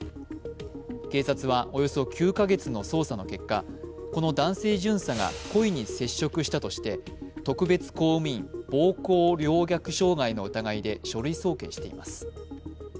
警察はおよそ９か月の捜査の結果この男性巡査が故意に接触したとして特別公務員暴行凌虐傷害の疑いで書類送検しています。